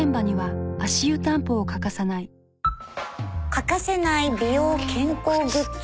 欠かせない美容健康グッズ。